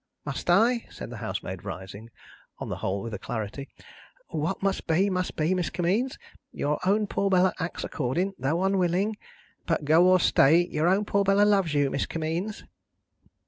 "Must I?" said the housemaid, rising, on the whole with alacrity. "What must be, must be, Miss Kimmeens. Your own poor Bella acts according, though unwilling. But go or stay, your own poor Bella loves you, Miss Kimmeens."